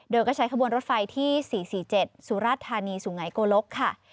โดยก็ใช้ขบวนรถไฟที่๔๔๗สุรธานีสุไงโกลกค่ะ